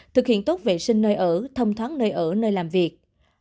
thực hiện tốt vệ sinh nơi ở thông thoáng nơi ở nơi làm việc